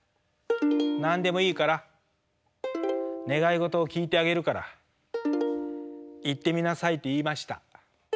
何でもいいから願い事を聞いてあげるから言ってみなさいって言いました。